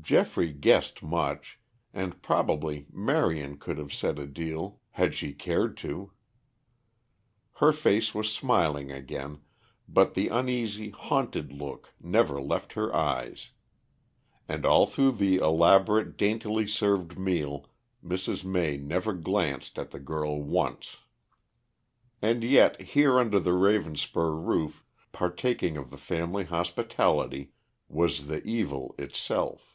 Geoffrey guessed much, and probably Marion could have said a deal had she cared to. Her face was smiling again, but the uneasy, haunted look never left her eyes. And all through the elaborate, daintily served meal Mrs. May never glanced at the girl once. And yet, here under the Ravenspur roof, partaking of the family hospitality, was the evil itself.